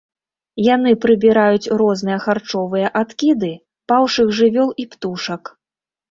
Яны прыбіраюць розныя харчовыя адкіды, паўшых жывёл і птушак.